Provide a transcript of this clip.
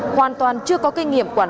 hoàn toàn chưa có kinh nghiệm quản lý